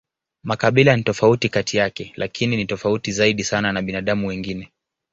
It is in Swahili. Makabila ni tofauti kati yake, lakini ni tofauti zaidi sana na binadamu wengine.